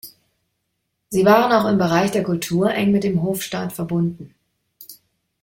Sie waren auch im Bereich der Kultur eng mit dem Hofstaat verbunden.